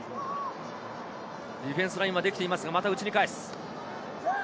ディフェンスラインはできていますが、また内に返す。